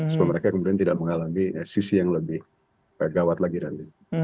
supaya mereka kemudian tidak mengalami sisi yang lebih pegawat lagi nanti